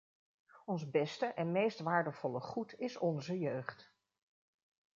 Ons beste en meest waardevolle goed is onze jeugd.